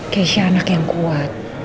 keisha anak yang kuat